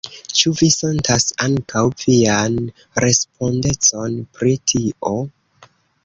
Ĉu vi sentas ankaŭ vian respondecon pri tio?